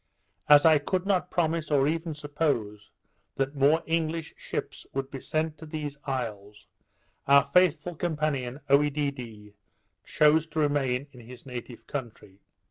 As I could not promise, or even suppose, that more English ships would be sent to those isles, our faithful companion Oedidee chose to remain in his native country.